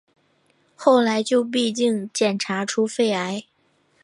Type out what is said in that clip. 后来就竟然检查出肺癌